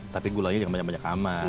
tapi gulanya jangan banyak banyak aman